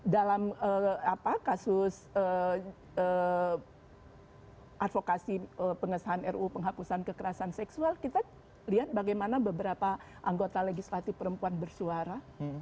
dalam kasus advokasi pengesahan ru penghapusan kekerasan seksual kita lihat bagaimana beberapa anggota legislatif perempuan bersuara